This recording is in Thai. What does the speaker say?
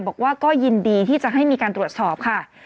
บอกว่าก็ยินดีที่จะให้มีการตรวจสอบค่ะ